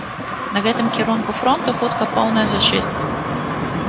На гэтым кірунку фронту хутка поўная зачыстка.